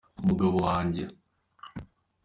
umugabo wanjye